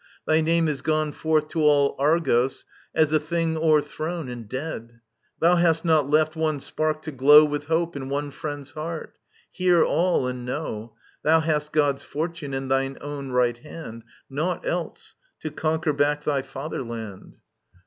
Thy name is gone Forth to all Argos, as a thing overthrown And dead< Thou hast not left one spark to glow With hope in one friend's heart! Hear all, and know : Thou hast God^s fortune and thine own right hand. Naught else, to conquer back thy fetherland.